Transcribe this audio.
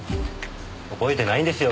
覚えてないんですよ